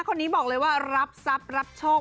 คนนี้บอกเลยว่ารับทรัพย์รับโชค